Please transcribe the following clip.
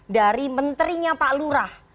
dari menterinya pak lurah